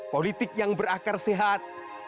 politik yang berakar sehat